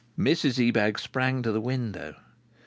Mrs Ebag sprang to the window.